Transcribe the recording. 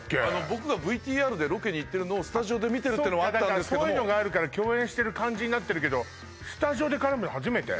僕がＶＴＲでロケに行ってるのをスタジオで見てるのはあったんですがそういうのがあるから共演してる感じになってるけどスタジオで絡むの初めて？